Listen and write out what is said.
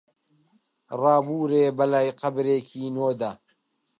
ڕابوورێ بەلای قەبرێکی نۆدا